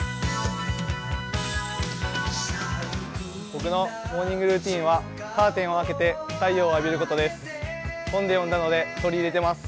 僕のモーニングルーチンはカーテンを開けて太陽を浴びることです。